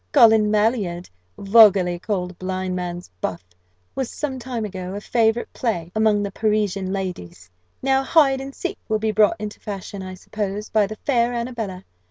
Colin maillard, vulgarly called blind man's buff, was, some time ago, a favourite play amongst the Parisian ladies: now hide and seek will be brought into fashion, I suppose, by the fair Annabella.